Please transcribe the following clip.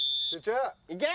いけ！